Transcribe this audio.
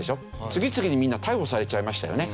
次々にみんな逮捕されちゃいましたよね。